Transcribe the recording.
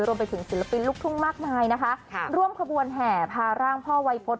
รวมไปถึงศิลปินลูกทุ่งมากมายนะคะค่ะร่วมขบวนแห่พาร่างพ่อไวพฤต